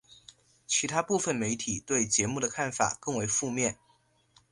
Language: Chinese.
其它部分媒体对节目的看法更为负面。